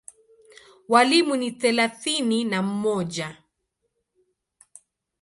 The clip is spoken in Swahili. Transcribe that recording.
Walimu ni thelathini na mmoja.